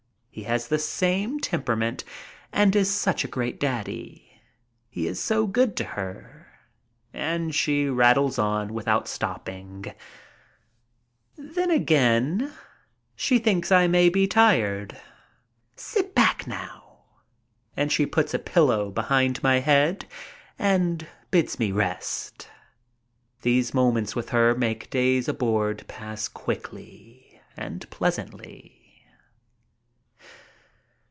He has the same temperament, and is such a great daddy. He is so good to her. And she rattles on without stopping. 148 MY TRIP ABROAD Then again she thinks I may be tired. "Sit back now." And she puts a pillow behind my head and bids me rest. These moments with her make days aboard pass quickly and pleasantly.